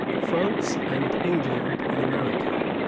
FRANCE AND ENGLAND IN AMERICA.